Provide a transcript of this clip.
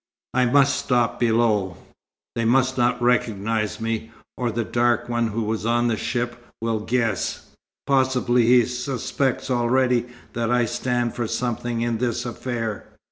"I must stop below. They must not recognize me, or the dark one who was on the ship, will guess. Possibly he suspects already that I stand for something in this affair."